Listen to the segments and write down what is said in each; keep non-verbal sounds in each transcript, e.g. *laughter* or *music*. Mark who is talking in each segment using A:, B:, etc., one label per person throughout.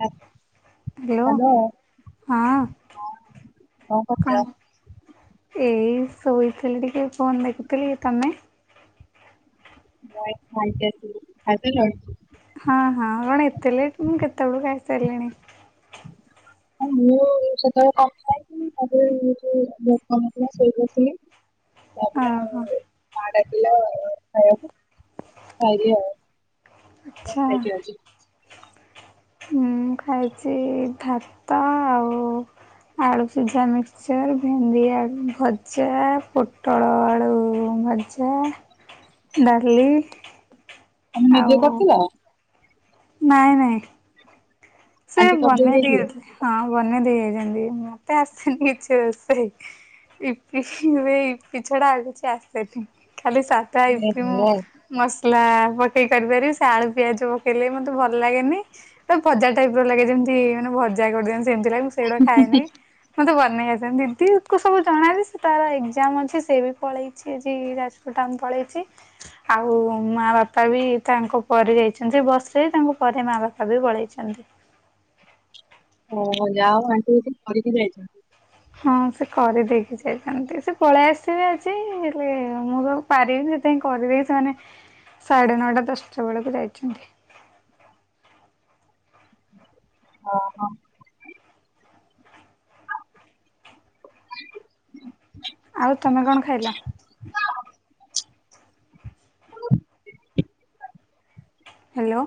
A: ହା-
B: ହ୍ୟାଲୋ ହଁ
A: କଣ କରୁଚ?
B: ଏଇ ଶୋଇଥିଲି ଟିକେ ଫୋନ୍ ଦେଖୁଥିଲି ତମେ?
A: *inaudible* ଖାଇ ସାରିଲଣି?
B: ହଁ ହଁ କଣ ଏତେ ଲେଟ ମୁଁ କେତେବେଳୁ ଖାଇସାରିଲିଣି।
A: ହଁ ମୁଁ ସେତେବେଳେ କଥା ହେଇଥିଲି ତାପରେ ଯୋଉ ବହୁତ୍ କାମଥିଲା ଶୋଇପଡିଥିଲି। *inaudible*
B: ଅ ହଁ।
A: *inaudible* ଖାଇଲି ଆଉ। ତୁ କଣ୍ ଖାଇବୁ
B: ଆଚ୍ଛା।
A: ଆଜି?
B: ମୁଁ ଖାଇଚି ଭାତ ଆଉ ଆଳୁ ସିଝା ମିକ୍ସଚର ଭେଣ୍ଡି ଆଳୁ ଭଜା ପୋଟଳ ଆଳୁ ଭଜ୍ ଜା ଡାଲି
A: ତମେ ନିଜେ
B: ଆଉ
A: କରିଥିଲ?
B: ନାଇଁ ନାଇଁ। ସେ
A: ଆଣ୍ଟି କରିଦେଇ
B: ବନେଇ ଦେଇ ଯାଇଥିଲେ ହଁ ବନେଇ ଦେଇ ଯାଇଚନ୍ତି ମତେ ଆସିନି କିଛି ରୋଷେଇ। ଇପି ଏବେ ଇପି ଛଡା ଆଉ କିଛି ଆସେନି ଖାଲି ସାଧା ଇପି ମୁଁ
A: ଏହେ
B: ମସଲା ପକେଇ କରିପାରିବି ସେ ଆଳୁ ପିଆଜ ପକେଇଲେ ବି ମତେ ଭଲ୍ ଲାଗେନି ତ ଭଜା ଟାଇପ୍ ର ଲାଗେ ଯେମିତି ମାନେ ଭଜା କରିଚନ୍ତି ସେମିତି ଲାଗେ ମୁଁ ସେଇଗୁଡା ଖାଏନି। ମତେ ବନେଇ ଆସେନି ଦିଦିକୁ ସବୁ ଜଣାଯେ ସେ ତାର ଏକ୍ଜାମ୍ ଅଛି ସେ ବି ପଳେଇଚି ଆଜି ଯାଜ୍ ପୁର୍ ଟାଉନ୍ ପଳେଇଚି। ଆଉ ମା ବାପା ବି ତାଙ୍କ ପରେ ଯାଇଚନ୍ତି ଯେ ବସରେ ତାଙ୍କ ପରେ ମା ବାପା ବି ପଳେଇଚନ୍ତି।
A: ଓହ ଯାହା ହଉ ଆଣ୍ଟି କିଛି କରିକି ଯାଇଛନ୍ତି।
B: ହଁ ସେ କରିଦେଇକି ଯାଇଥାନ୍ତି। ସେ ପଳେଇ ଆସିବେ ଆଜି ହେଲେ ମୋର ପାରିବିନି ସେଥିପାଇଁ କରିଦେଇକି ସେମାନେ ସାଢେ ନଅଟା ଦଶଟା ବେଳକୁ ଯାଇଚନ୍ତି।
A: ଓ ହଁ। *inaudible*
B: ଆଉ ତମେ କଣ ଖାଇଲ? ହାଲୋ।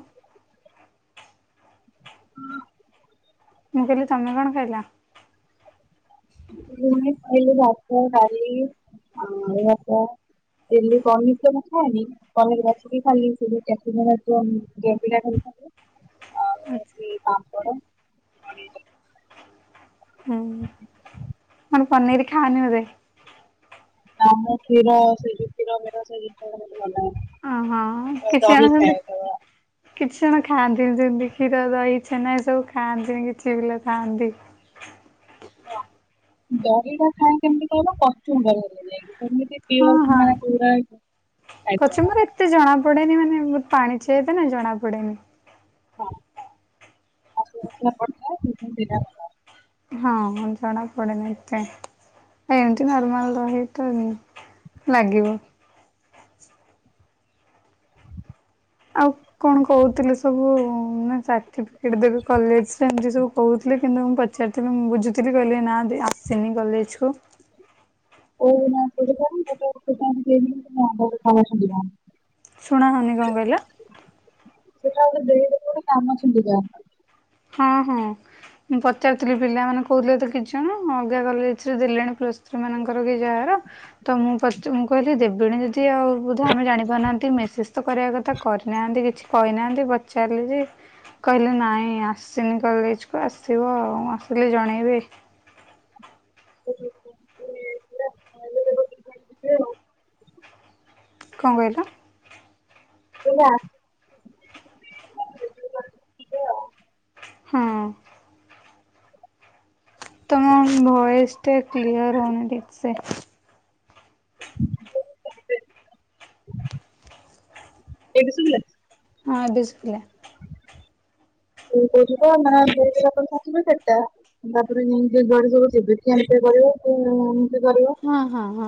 A: *inaudible*
B: ମୁଁ କହିଲି ତମେ କଣ ଖାଇଲ?
A: ମୁଁ ବି ଖାଇଲି ଭାତ ଡାଲି ଆଳୁଭଜା। ଚିଲି ପନିର୍ ତ ମୁଁ ଖାଏନି। ପନିର୍ ବାଛିକି ଖାଲି *unintelligible* ଆଉ ହଉଚି ପାମ୍ପଡ
B: ହୁଁ ମାନେ ପନିରି ଖାଅନି ବୋଧେ?
A: ନାଁ ମୁଁ କ୍ଷୀର ସେ ଯୋଉ କ୍ଷୀର ମିର ସେ ଜିନିଷଗୁଡା ମତେ ଭଲଲାଗେନି।
B: ଅଁ ହଁ କିଛି *inaudible* କିଛି ଜଣ ଖାଆନ୍ତିନି ଯେମିତି କ୍ଷୀର, ଦହି, ଛେନା ଏ ସବୁ ଖାଆନ୍ତିନି କିଛି ପିଲା ଥାଆନ୍ତି।
A: ହଁ ଦହିରା ଖାଏ କେମିତି କହିଲ କଚୁବର ବନେଇଲେ ଯାଇକି। ସେମିତି
B: ହଁ ହଁ
A: *unintelligible*
B: କଚୁମ୍ବର ଏତେ ଜଣା ପଡେନି ମାନେ ବହୁତ ପାଣିଚିଆ ଏତେ ନା ଜଣା ପଡେନି।
A: ହଁ *unintelligible*
B: ହଁ ଜଣା ପଡେନି ଏତେ। ଏମିତି ନର୍ମାଲ୍ ଦହି ତ ଲାଗିବ। ଆଉ କଣ କହୁଥିଲେ ସବୁ ନା ସାର୍ଟିଫିକେଟ୍ ଦେବେ କଲେଜ୍ ରେ ଏମିତି ସବୁ କହୁଥିଲେ କିନ୍ତୁ ମୁ ପ ପଚାରିଥିଲି ମୁଁ ବୁଝୁଥିଲି କହିଲେ ନା ଦେଇ ଆସିନି କଲେଜ୍ କୁ।
A: କଉ *unintelligible*
B: ଶୁଣାହଉନି କଣ କହିଲ?
A: ସେଇଟା ଗୋଟେ ଦେଇ ଦେଲେ ଗୋଟେ କାମଛିଣ୍ଡି ଯାନ୍ତା।
B: ହଁ ହଁ। ମୁଁ ପଚାରୁଥିଲି ପିଲାମାନେ କହୁଥିଲେ ତ କିଛି ଜଣ ଅଲଗା କଲେଜ୍ ରେ ଦେଲେଣି ପ୍ଲସ୍ ଥ୍ରୀ ମାନଙ୍କର କି ଯାହାର? ତ ମୁଁ ପ ମୁଁ କହିଲି ଦେବିଣୀଯଦି? କି ଆଉ ବୋଧେ ଆମେ ଜାଣିପାରୁନାହାନ୍ତି ମେସେଜ୍ ତ କରିବା କଥା କରିନାହାନ୍ତି କିଛି। କହିନାହାନ୍ତି ପଚାରିଲି ଯେ କହିଲେ ନାଇଁ ଆ? ସିନିକଲ କଲେଜ୍ କୁ ଆସିବ ଆଉ ଆସିଲେ ଜଣେଇବେ। କଣ କହିଲେ?
A: ବ ଆ। *inaudible*
B: ହଁ। ତମ ଭଏସ୍ ଟା କ୍ଲିୟର୍ ହଉନି ଠିକ୍ ସେ।
A: ଏବେ ସୁଵିଲା?
B: ହଁ ଏବେ ସୁବିଲା।
A: କଣ କହୁଥିଲ ନା ଦେଇଦେଲେ ଆପଣଙ୍କ ସାଠିପିକେଟ୍ ଟା? ତାପରେ ନେଇକି ଯୁଆଡେ ସବୁ ଯିବେ କି ଏମିତି କରିବ ଏମିତି କରିବ।
B: ହଁ ହଁ ହଁ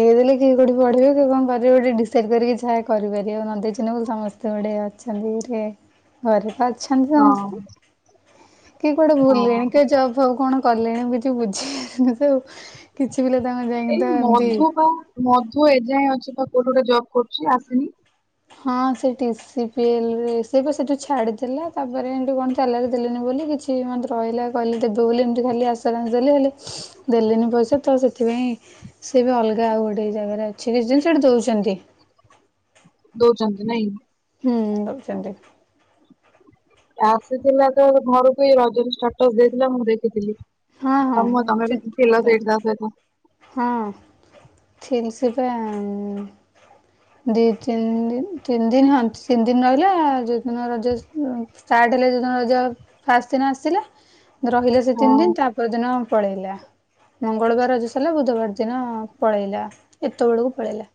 B: ଦେଇଦେଲେ କିଏ କୋଉଠି ପଢିବେ କିଏ କଣ କରିବ? ଗୋଟେ ଡିସାଇ କରିକି ଯ କରିପାରିବ ଆଉ ନ ଦେଇେଇ ସମସ୍ତେ ଗୋଟେ ଅଛନ୍ତି ସେ। ଘରପ ଅଛନ୍ତି ଆଉ
A: ହଁ।
B: କି କୁଆଡେ
A: ହଁ
B: ଭୁଲଣି କି ଜାଉ ଜାଉ କଣ? କଲେଣି ବୁଜି ବୁଝିି ସୁ?
A: ଏଇ ମଧୁ ବା? ମଧୁ ଏଯାଏଁ ଅଛି ବା କୋଉଠି ଗୋଟେ ଜବ କରୁଛି ଆସିନି।
B: ହଁ ସେ ସ ପିଲ ରେ ସେ ସେଠୁ ଛାଡିଦେଲା ତାପରେ ଏଠୁ କଣ ସାଲାର ଦେନି ବୋଲି କିଛି? କି ମତେ ରହିଲା କିଲେ ଦେବେ ବୋଲି ଏମିତି ଖାଲି ଆସ? ଦେ ହେଲେ ଦେଲିନି ପଇସା ତ ସେଥିପାଇଁ ସି ବି ଅଲଗା ଆଉ ଗୋଟେ ଜାଗାରେ ଅଛି। ରିଜିଷ୍ଟ ର ଦଉଛନ୍ତି।
A: ଦଉଛନ୍ତି ନାହିଁ।
B: ହୁଁ ଦଉଛନ୍ତି
A: ଆସିଥିଲା ତ ଘରକୁ ରଜନ ଷ୍ଟାଟସ ଦେଇଥିଲା ମୁଁ ଦେଖୁଥିଲି।
B: ହଁ ହଁ
A: ତମ
B: ହଁ
A: ତମେ
B: ଛୁଟି
A: ଥିଲ
B: ଆସିଲା
A: ସେଠି ତା ସହିତ।
B: ହଁ ଥିଲ ସେଠେ ଦି ତିନି ଦ ତିନି ଦିନ ହ ତିନି ଦିନ ରହିଲା ଯୋଉଦିନ ରଜ ଷ୍ଟାର୍ ହେଲେ ରଜ ଫାଷ୍ଟ ଦିନ ଆସିଲା ରହିଲେ ସେ ତିନି ଦିନ। ତା
A: ହଁ
B: ପରଦିନ ପଳେଇଲା। ମଙ୍ଗଳବାର ଆଜି ସାରିଲା ବୁଧବାର ଦିନ ପଳେଇଲା ଏତେବେଳକୁ ପଳେଇଲା।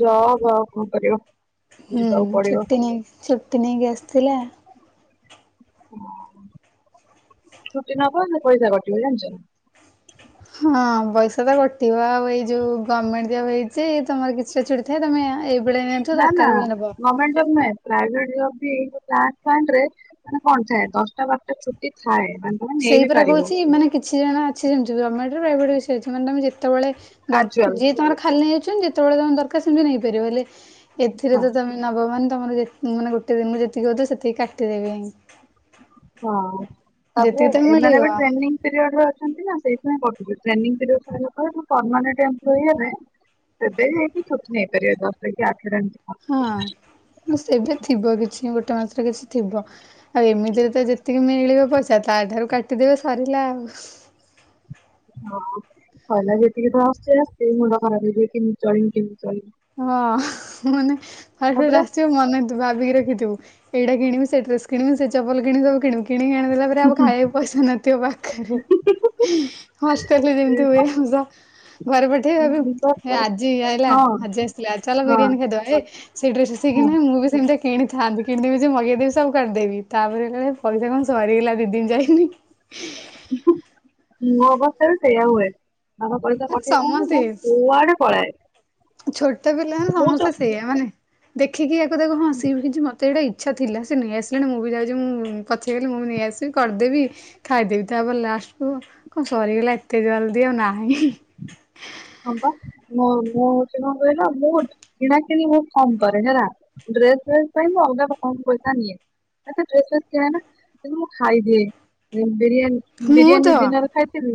A: ଯାଅ ଭ କଣ କରିବ।
B: ହୁଁ
A: ଯିବାକୁ ପଡିବ
B: ଛୁଟି ନିଅନ୍ତି ଛୁଟି ନେଇକି ଆସିଥିଲେ।
A: ଛୁଟି ନବ ନା ପଇସା କଟିବ ଜାଣିଛ।
B: ହଁ ପଇସା ତ କଟିବ ଆଉ ଏଇ ଯୋଉ ଗଭର୍ଣ୍ଣମେଣ୍ଟ ଜବ ହେଇଛି ତମର କିଛିଟା ଛୁଡ଼ି ଥାଏ ତମେ? ଏଇବେଳେ ନିଅନ୍ତୁ
A: ନା ନା
B: ଦରକାର ବେଳେ ନବ।
A: ଗଭର୍ଣମେଣ୍ଟ ଜବ ନୁହେଁ? ପରୀବାଟ ଜବ ବି ପ୍ଲାଣ୍ଟ ଫାଣ୍ଟ ରେ ମାନେ କଣ ଥାଏ ଦଶଟା ବାରଟା ଛୁଟି ଥାଏ ମାନେ? ତମେ ନେଇ
B: ସେଇ
A: ବିି
B: ପୁରା
A: ପାରିବ
B: କହୁଛି ମାନେ କିଛି ଜଣ ଆଛି ସେମିତି ଜମାେଟଭେଟ ମାନେ ତମେ ଯେତେବେଳେ? ଦର
A: କାଜୁଆଲ
B: ଯିଏ ତମର ଖାଲି ନେଇ ଅଛନ୍ତି ଯେତେବେଳେ ତମେ ଦରକାର ସେମିତି ନେଇପାରିବ ହେଲେ ଏଥିରେ
A: ହଁ
B: ତମେ? ନବ ମାନେ ତମର ମାନେ ଗୋଟେ ଦିନକୁ ଯେତିକି ହ ସେତିକି କାଟିଦେବି।
A: ହଁ ତାପରେ
B: ତ
A: ଏମାନେ
B: ମିଳିବ
A: ବି ଟ୍ରେନିଂ ପିରିଅଡ ରେ ଅଛନ୍ତି ନା ସେଇଥି ପାଇଁ କଟୁଛି ଟ୍ରେନିଂ ପିରିଅଡ ସରିଲା ପରେ ପର୍ମାନେଣ୍ଟ ଏପ୍ଲୋଇ ହେବେ ସେବେ ହେଇକିଛୁଟି ନେଇପାରିବା ଦଶଟା କି ଆଠଟା
B: ହଁ ସେବେ ଥିବ କିଛି ଗୋଟେ ମାସରେ କିଛି ଥିବ ଆଉ ଏମିତିରେ ତ ଯେତିକି ମିଳିବ ପଇସା ତା ଠାରୁ କାଟିଦେବେ ସରିଲା ଆଉ।
A: ହଁ କହୀଲା ଯେତିକି ତ ଆସେ ରା ମୁଣ୍ଡ ଖରାପ ହେଇଯିବ କେମିତି ଚଳିବି କେମିତି ଚଳିବି।
B: ହଁ ମାନେ ଭ
A: ତାପରେ
B: ରାସି ମନେ। ଭାବିକି ରଖିଥିବ ଏଇଟା କିଣିବି ସେ ଡ୍ରେସ କିଣିବି ସେ ଚପଲ କିଣିବି ସବୁ କିଣିବି କିଣିକି ଆଣି ଦେଲା ପ ଖାଇିଆ କୁ ପଇସା ନଥିବ ପାଖରେ ହଷ୍ଟେଲରେ
A: ଏ
B: ଯେମତି ହୁଏ ଶୌଚ। ଘରେ ପଠେଇ ଭବ
A: ବିଶ୍ୱାସ
B: ହେ
A: କର
B: ଆଜି ଆଇଲା
A: ହଁ
B: ଆଜି ଆସିଥିଲା ଚାଲ
A: ହଁ
B: ବିରିୟାନୀ ଖାଇଦବା ଏଇ ଡ୍ରେସି
A: ହଁ
B: ମୁଁ ବି ସେମିତି କିଣିବି। କିଣିଥାନ୍ତି କିଣିଦେବି ଯେ ମଗେଇଦେବି ସବୁ କରିଦେବି ତାପରେ ପଇସା କଣ ସରିଗଲା ଦି ଦିନ ଯାଇନି।
A: ମୋ ଅବସ୍ଥା ବି ସେଇୟା ହୁଏ। ବାବା ପଇସା
B: ଆରେ
A: ପଠେଇ ଥାନ୍ତି ମୋର
B: ସମସ୍ତେ
A: କୁଆଡେ ପଳାଏ।
B: ଛୋଟ ପିଲାମାନେ
A: ମୁଁ ତ
B: ସମସ୍ତେ ସେଇଆ ମାନେ ଦେଖିକି ଆକୁ ତାକୁ ଦେଖ ହଁ ସି ମତେ ତ ଏଇଟା ଇଚ୍ଛା ଥିଲା ସେ ନେଇ ଆସିଲାଣି ମୁଁ ବି ଯାଉଛି ମୁଁ ପାଚ୍ଚେ ମୁଁ ବି ନେଇ ଆସିଲି କରିଦେବି ଖାଇଦେବି ତାପରେ ଲାଷ୍ଟକୁ କଣ ସରିଗଲା ଏତେ ଜଲ୍ଦୀ ଆଉ ନାହିଁ।
A: ହଁ ବା ମୁ ମୁଁ ହଉଛି କଣ କହିଲ ମୁଁ କିଣା କିଣି ବହୁତ କମ କରେ ହେଲା। ଡ୍ରେସ ଫ୍ରେସ୍ ପାଇଁ ମୁ ଅଲଗା କମ୍ ପଇସା ନିଏ। ଆ ଡ୍ରେସ ଏତେ କିଣେନା କିନ୍ତୁ ମୁଁ ଖାଇଦିଏ ବିରିୟାନୀ।
B: ମୁଁ
A: ବିରିୟାନୀ
B: ତ
A: ଦିନର ଖାଇଥିଲି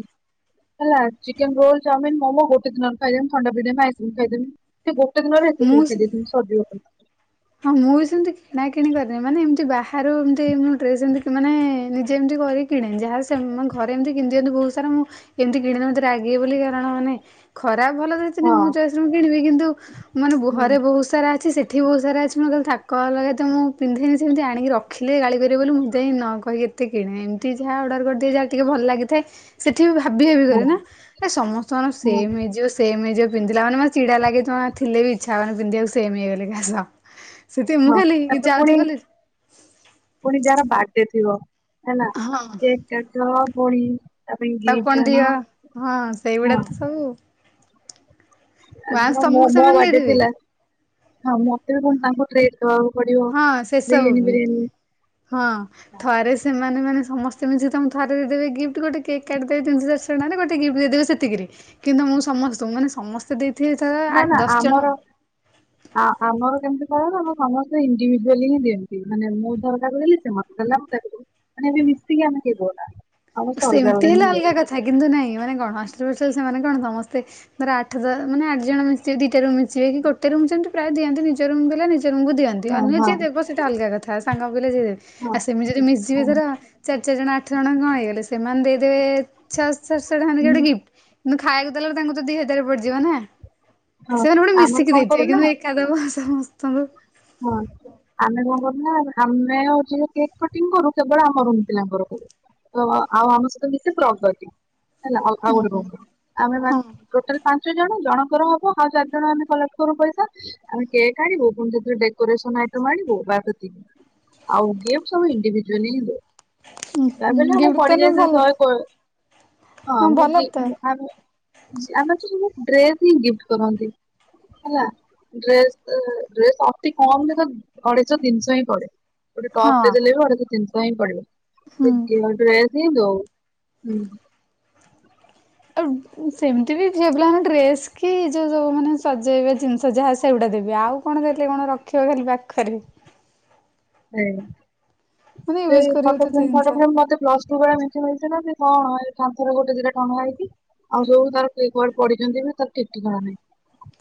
A: ହେଲା ଚିକେନ ରୋଲ ଚାଉମିିନ ମୋମୋ ବୋତେ ଦନାରେ ଖାଇଦନ ଥଣ୍ଡା ପିଦେବି ଆଇସକ୍ରିମ ଖାଇଦେବୀ ଗୋଟେ ଦିନରେ ସବୁ ଖାଇ
B: ମୁଁ
A: ଦେଇ ସରିଯିବ ପଇସା।
B: ହଁ ମୁଁ ବି ସେମିତି କିଣା କିିଣି କରିନି ମାନେ ଏମିତି ବାହାରୁ ଏମତି ଡ୍ରେସ ଏମତି ମାନେ ନିଜେ ଏମିତି କରିିକି କିଣି ଯାହା ଘରେ ଏମିତି କିଣି ଦିଅନ୍ତୁ ବହୁତ ସାରା ମୁଁ ଏମିତି କିଣିନି ମୋତେ ରାଗିବେ ବୋଲି କାରଣ ମାନେ ଖରାପ ଭଲରେଛିନି
A: ହଁ
B: ମୁଁ ଚୟସ ରେ ମୁଁ କିଣିବି କିନ୍ତୁ ମାନେ
A: ହୁଁ
B: ଘରେ ବହୁତ ସାରା ଅଛି ସେଠି ବି ବହୁତ ସାରା ଅଛି ଆଛ ମୁଁ କିଲ ତାକ ଅ ଲଗା ତ ମୁଁ ପିନ୍ଧିନନି ସେମିତି ଆଣିକି ରଖିଲି ଗାଳି କରିବ ବୋଲି ମୁଁ ଯାଇ ନ କହିକି। କେତେ କିଣେ ଏମିତି ଯାହା ଅର୍ଡର କରିଦିଏ ଯାହା ଟିକେ ଭଲ ଲାଗିଥାଏ ସେଠି ବି ଭାବି କି
A: ହଁ
B: କରେ ନା। ଏ ସମସ୍ତ ମାନ
A: ହଁ
B: ସେମ୍ ହେଇଯିବ। ସେମୋଉ ପିନ୍ଧିଲା ମାନ ମୋ ଚିଡା ଲାଗେ ତ ଥିଲେ ବି ଇଛା ହବନ ପିନ୍ଧିବାକୁ ସେମ ହେଇଗ ଘାସ।
A: ହଁ ତାପରେ ପୁଣି ପୁଣି ଯାହାର ବାର୍ଥଡେ ଥିବ ହେଲା
B: ହଁ।
A: କେକ୍ ଆଣ ତା ପାଇଁ
B: ତାକୁ କଣ
A: ଗିଫ୍ଟି ଆଣ
B: ଦିଅ ହଁ ସେଇଗୁଡା
A: ହଁ।
B: ତ ସବୁ ୱାନ୍ସ
A: ଆଜି ମୋ
B: ତମକୁ
A: ମୋ
B: ସେମାନେ
A: ବାର୍ଥଡେ
B: ଦେଇଦେବେ।
A: ଥିଲା। ହଁ ମତେ ବି କଣ ତାଙ୍କୁ ଡ୍ରେସ ଦେବାକୁ ପଡିବ।
B: ହଁ ସେସବୁ ବି ହଁ। ଥରେ ସେମାନେ ମାନେ ସମେସ୍ତେ ମିଶି ତମକୁ ଥରେ ଦେଇଦବେ ଗି୍ଫ୍ଟି ଗୋଟେ କେକ୍ କାଟିଦବି। ଗୋଟେ ଗିଫ୍ଟ ଦେଇଦେବେ ସେତିକି କିନ୍ତୁ ମୁଁ ସମସ୍ତଙ୍କୁ ମେ ସମସ୍ତେ ଦେଇ
A: ନା ନା ଆମର ଆ ଆମର କେମିତି କହ ଆମ ସମସ୍ତେ ଇଣ୍ଡିଭିଜୁଆଲି ହିଁ ଦିଅନ୍ତି ମାନେ ମୁଁ ତାଙ୍କୁ ଦେଲି ସେ ମତେ ଦେଲେ ସେ ମୁ ତା ମାନେ ଏବେ ମିଶିକି ଆମେ କେବ ନା ଆମ
B: ସେମିତି
A: ଅଲଗାରେ
B: ହେଲେ
A: ହବ
B: ଅଲଗା କିନ୍ତୁ ନାହିଁ ମାନେ କଣ ହଷ୍ଟଲ ଫଷ୍ଟଲ ସେମାନେ କଣ ସମସ୍ତେ ଧର ଆଠ ମାନେ ଆଠ ଜଣ ମିଶିବ ଦିଟା ରୁମ୍ ମିଶିବେ କି ଗୋଟେ ରୁମ ସେମିତିାୟ ଦିନ୍ତି ନିଜ ରୁମ୍ କୁ ଦିଅନ୍ତି
A: ହଁ
B: ନୁହେ
A: ହଁ
B: ଯିଏ ଦେବ ସେଇଟା ଅଲଗା କଥା ସାଙ୍ଗ ପିଲା ଯିଏ ଦେବବେ ଆଉ ସେମିତି ଯଦି
A: ହଁ
B: ମିଶଯିବି ଧର ଚାରି ଚାରି ଜଣ ଆଠ ଜଣ କଣ ହେଇଗଲେ ସେମାନେ ଦେଇଦେବେ ଛଅ ସାତଶହ ଖାନ
A: ହଁ
B: ଗୋଟେ ଗିଫ୍ଟ କିନ୍ତୁ ଖାଇବାକୁ ଦେଲାବେଳେ ତାଙ୍କୁ ତ ଦି ହଜାର ପଡିଯିବ ନା
A: ହଁ
B: ସେମାନେ ଗୋଟେ
A: ଆମର
B: ମିଶିକି
A: କଣ
B: ଦେଇଥିବେ
A: କରୁନା
B: କିନ୍ତୁ କେଦ ଭ ସମସ୍ତଙ୍କୁ।
A: ହଁ। ଆମେ କଣ କରୁନା ଆମେ ହଉଚି କେକ୍ କଟିଂ କରୁ କେବଳ ଆମ ରୁମ୍ ପିଲାଙ୍କର କରୁ। ଆଉ ଆମ ସହିତ ମିଶେ ପ୍ରଗତି। ହେଲା ଆଉ
B: ହୁଁ
A: ଗୋଟେ
B: ହୁଁ
A: ରୁମ୍ ପିଲା। ଆମେ ପା
B: ହଁ
A: ଟୋଟାଲ୍ ପାଞ୍ଚ ଜଣ ଜଣଙ୍କର ହବ, ଆଉ ଚାରି ଜଣ ଆମେ କଲେକ୍ଟ କରୁ ପଇସା। ଆମେ କେକ୍ ଆଣିବୁ, ପୁଣି ଯ ଡେକୋରେସନ୍ ଆଇଟମ୍ ଆଣିବୁ ବାସ୍ ସେତିକି। ଆଉ ଗିଫ୍ଟ ସବୁ ଇଣ୍ଡିଭିଜୁଆଲି ହିଁ ଦଉ। ଯାହା ବି ହେଲେ ଆମକୁ
B: ଗିଫ୍ଟ ତ ନେ
A: ପଡିଯାଏ ସେ
B: ଭଲ ତ
A: ଶହେ *unintelligible* ହଁ ମୁଁ
B: ଭଲ
A: ବି
B: ତ
A: ଆମେ ଆମେ ତ ସବୁ ଡ୍ରେସ୍ ହିଁ ଗିଫ୍ଟ କରନ୍ତି। ହେଲା, ଡ୍ରେସ୍ ଡ୍ରେସ୍ ଅତି କମ୍ ରେ ତ ଅଢ଼େଇଶହ ତିନିଶହ ପଡ଼େ। ଗୋଟେ
B: ହଁ
A: ଟପ୍ ଟେ ଦେଲେ ଅଢ଼େଇଶହ ତିନିଶହ ହିଁ ପଡିବ।
B: ହୁଁ
A: ଟ୍ରେସ୍ ହିଁ ଦଉ। ହୁଁ।
B: ଆଉ ସେମିତି ବି ଝିଅ ପିଲା ମାନେ ଡ୍ରେସ୍ କି ଯଉ ଯଉ ମାନେ ସଜେଇବା ଜିନିଷ ଯାହା ସେଗୁଡ଼ା ଦେବେ। ଆଉ କଣ ଦେଲେ କଣ ରଖିବ ଖାଲି ପାଖରେ।
A: ସେଇଆ।
B: ମାନେ ୟୁଜ୍
A: ସେଇ
B: କରିବ
A: ଫଟୋ
B: ତ
A: ଫ୍ରେମ୍
B: ଜିନିଷ।
A: ଫଟୋ ଫ୍ରେମ୍ ମତେ ପ୍ଲ ଟୁ ବେଳେ ମେଞ୍ଚେ ମିଳିଥିଲା ଯେ କଣ ଏଇ କାନ୍ଥରେ ଗୋଟେ ଦିଟା ରେ ଟଣା ହେଇଚି। ଆଉ ଯୋଉ ତାର କିଏ କୁଆଡେ ପଢିଛନ୍ତି ଯେ ତାର ଠିକ୍ ଠିକଣା ନାହିଁ।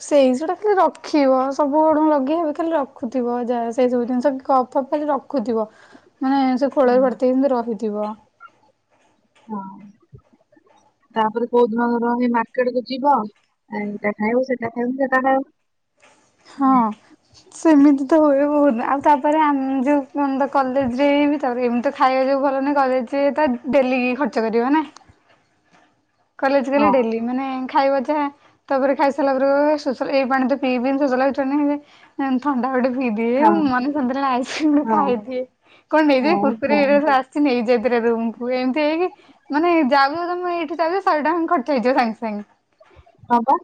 B: ସେଇ ସେଟା ଖାଲି ରଖିବ। ସବୁ *unintelligible* ଖାଲି ରଖୁଥିବ ଯାହା, ସେଇ ସବୁ ଜିନିଷ କପ୍ ଫପ୍ ଖାଲି ର ରଖୁଥିବ। ମାନେ ସେ ଖୋଳରେ ଭର୍ତ୍ତି ହେଇକି ରହିଥିବ।
A: ହଁ। ତାପରେ କୋଉ ଦିନ ଧର ହେଇ ମାର୍କେଟକୁୁ ଯିବ ଆଉ ଏଇଟା ଖାଇବୁ ସେଟା ଖାଇବୁ ସେଟା ଖାଇବୁ।
B: ହଁ। ସେମିତି ତ ହୁଏ ବହୁତ୍। ଆଉ ତାପରେ ଆମ ଯୋଉ କଲେଜ୍ ରେ ତାପରେ ଏମିତି ତ ଖାଇବା ଯଉ ଭଲ ନାହିଁ କଲେଜ୍ ରେ ତ ଡେଲି ଖର୍ଚ୍ଚ କରିବ ନା। କଲେଜ ଗଲେ
A: ହଁ
B: ଡେଲି। ମାନେ ଖାଇବା ଯାହା। ତାପରେ ଖାଇ ସାରିଲା ପରେ କହିବ ଏଇ ପାଣି ତ ପିଇବିନି ଶୋସ। *unintelligible* ନାଇଁ ମୁଁ ଥଣ୍ଡା ଗୋଟେ ପି ଇଦିଏ।
A: ହଁ
B: ମନେ ଶାନ୍ତି ହେଲେ ଆଇସ୍କ୍ରିମ୍ ଗୋଟେ
A: ହଁ
B: ଖାଇଦିଏ। କଣ ନେଇଯିବି
A: ହଁ
B: କୁର୍ କୁରି।
A: ହଁ
B: *unintelligible* ସେ ନେଇଯାଇଥିଲେ ରୁମକୁ ଏମିତି ହେଇକି ମାନେ ଯାଉ *unintelligible* ଶହେ ଟଙ୍କା ଖର୍ଚ୍ଚ ହେଇଯିବ ସାଙ୍ଗେ ସାଙ୍ଗେ।
A: ହଁ ପା।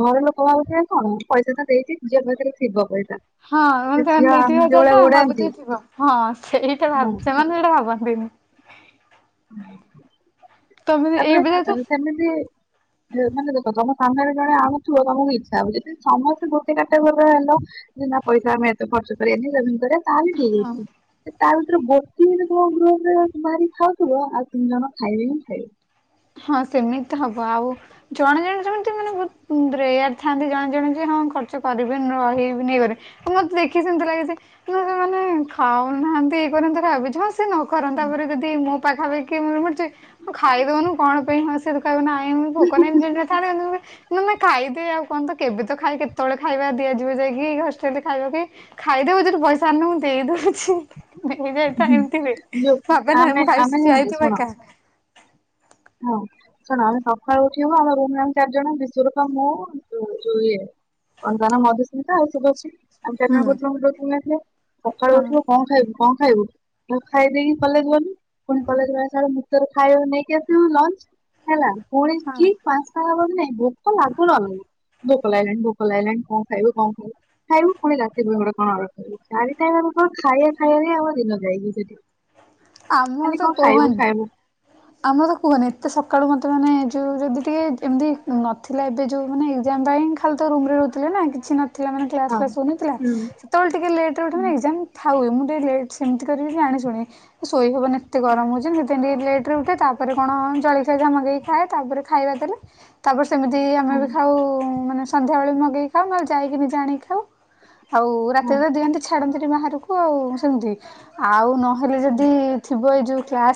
A: ଘର ଲୋକ ଭାବୁଥିବେ କଣ ମୁଁ ପଇସା ତ ଦେଇଚି ଝିଅ ପାଖରେ ଥିବ ପଇସା।
B: ହଁ ସେମାନେ
A: ଝିଅ
B: ଦେଇଥିବେ
A: ଯୋଉ
B: ହଜାରେ
A: ଭଳିଆ
B: ଟଙ୍କା
A: ଗୋଡାନ୍ତି
B: ଭାବୁଥିବେ ଥିବ। ହଁ ସେଇଟା
A: ହଁ
B: ସେମାନେ ସେଇଟା ଭାବନ୍ତିନି। ତମେ
A: ତାପରେ।
B: ଏବେ ଯାଉଛ
A: *unintelligible* ମାନେ ଦେଖ ତମ ସାମ୍ନା ରେ ଜଣେ ଆଣୁଥିବ ତମକୁ ଇଚ୍ଛା ହବ। ସମସ୍ତେ ଗୋଟେ କାଟଗୋରୀ ର ହେଲ ନା ପଇସା ଆମେ ଏତେ ଖର୍ଚ୍ଚ କରିବାନି ସେ ଭିତରେ ତାହେଲେ ଠିକ୍ ଅଛି। ତା ଭିତରେ ଗୋଟିଏ ବି ତମ ଗ୍ରୁପ୍ ରେ ବାହାରି ଖାଉଥିବ, ଆଉ ତିନି ଜଣ ଖାଇବେ ହିଁ ଖାଇବେ।
B: ହଁ ସେମିତି ତ ହବ। ଆଉ ଜଣେ ଜଣେ ସେମିତି ମାନେ ବହୁତ ରେୟାର ଥାନ୍ତି ଜଣେ ଜଣେ ଯେ ହଁ ଖର୍ଚ୍ଚ କରିବେ *unintelligible* ଇଏ କରିବି। ମତେ ଦେଖି ସେମିତି ଲାଗେ ଯେ କିଲୋ ସେମାନେ ଖାଉନାହାନ୍ତି ଇଏ। *unintelligible* ସେ ନ କରନ୍ତୁ। ତାପରେ ଯଦି ମୋ ପାଖାପାଖି କିଏ ରୁହନ୍ତେ ତୁ ଖାଇଦଉନୁ କଣ ପାଇଁ ସେ ହେଠୁ କହିବ ନାଇଁ ଭୋକ ନାହିଁ। *unintelligible* ଖାଇଦେ ଆଉ କଣ ତ କେବେ ତ ଖାଇ କେତେବେଳେ ଖାଇବା ଦି ଦିଆଯିବ ଯାଇକି ହଷ୍ଟେଲରେ ଖାଇବାକୁ, ଖାଇଦବୁ ଯଦି ପଇସା ଆଣିନୁ ମୁଁ ଦେଇଦଉଛି। ଦିନେ ଦିନେ ତ ଏମିତି ହୁଏ
A: ଯୋଉ
B: ଭାବେନା
A: ଆମେ
B: ମୁଁ ଖାଇବି ସିଏ
A: ଆମେ
B: ଠିଆ
A: ଜାଣିଛୁ
B: ହେଇଥିବ
A: ଶୁଣ
B: ଏକା।
A: ହଁ ଶୁଣ, ଆମେ ସକାଳୁ ଉଠିବୁ ଆମ ରୁମ୍ ରେ ଆମେ ଚାରି ଜଣ ବିଶ୍ଵରୂପା, ମୁଁ ଯୋଉ ଇଏ କଣ ତା ନା ମଧୁସ୍ମିତା ଆଉ ଶୁଭଶ୍ରୀ। ଆମ ଚାରିଜଣ
B: ହୁଁ।
A: ରହୁଥିଲୁ ଗୋଟେ ରୁମ୍ ରେ ସକାଳୁ
B: ହଁ।
A: ଉଠିବୁ କଣ କଣ ଖାଇବୁ କଣ ଖାଇବୁ ଖାଇ ମୁଁ ଖାଇଦେଇକି କଲେଜ୍ ଗଲି ପୁଣି କଲେଜରୁ ଆସିଲା ବେଳେ ମୁଁ ତ ଖାଇବା ନେଇକି ଆସ୍ ଲଞ୍ଚ୍ ହେଲା ପୁଣି
B: ହଁ
A: ଉଠିକି ପାଞ୍ଚ୍ ଟା ହବକି ନାଇଁ ଭୋକ ଲାଗୁ ନ ଲାଗୁ ଭୋକ ଲାଗିଲାଣି ଭୋକ ଲାଗିଲାଣି କଣ ଖାଇବି କଣ ଖାଇବୁ। ଖାଇିବୁ ପୁଣି ରାତି ପାଇଁ କଣ ଅଡର୍ ଚାରିଟା ଯାକ ଖାଇବା ଖାଇବା ହିଁ ଆମ ଦିନ ଯାଇଚି ସେଠି। ଖାଲି
B: ଆମର ତ
A: କଣ ଖାଇବୁ
B: କୁହନି।
A: ଖାଇବୁ
B: ଆମର ତ କୁହନି ଏତେ ସକାଳୁ ମତେ ମାନେ ଏ ଯୋଉ ଯଦି ଟିକେ ଯଦି ନ ଥିଲା ଏବେ ଯୋଉ ମାନେ ଏକ୍ଜାମ ପାଇଁ ଖାଲି ତ ରୁମ୍ ରେ ରହୁଥିଲେ ନା କିଛି ନଥିଲା ମାନେ କ୍ଲାସ୍
A: ହଁ
B: ଫ୍ଲାସ୍ ହଉନଥିଲା।
A: ହୁଁ
B: ସେତେବେଳେ ଟିକେ ଲେଟ୍ ରେ ଉଠେ ଏକ୍ଜାମ୍ ଥାଉ ଏମିତି ଲେଟ୍ ରେ ସେମିତି କରିକି ଜାଣି ଶୁଣି ଶୋଇ ହେବନି ଏତେ ଗରମ ହଉଚି ସେଥିପାଇଁ ଟିକେ ଲେଟ୍ ରେ ଉଠେ ତ ତାପ୍ ତା ପରେ କଣ ଜଳଖିଆ ଯାହା ମଗେଇକି ଖାଏ ତାପରେ ଖାଇବା କରେ। ତାପରେ ସେମିତି ଆମେ
A: ହୁଁ
B: ବି ଖାଉ ମାନେ ସନ୍ଧ୍ୟାବେେଳେ ମଗେଇକି ଖାଉ ନହେଲେ ଯାଇକି ନିଜେ ଆଣିକି ଖାଉ। ଆଉ
A: ହଁ।
B: ରାତିରେ ଦିଅନ୍ତି ଛାଡନ୍ତି ବାହାରକୁ ଆଉ ସେମିତି ଆଉ ନହେଲେ ଯଦି ଥିବ ଏଇ ଯୋଉ କ୍ଲାସ୍